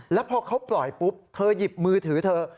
แล้วพอเขาปล่อยปุ๊บเธอหยิบมือถือเธอ